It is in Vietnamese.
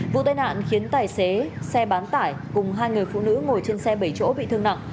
vụ tai nạn khiến tài xế xe bán tải cùng hai người phụ nữ ngồi trên xe bảy chỗ bị thương nặng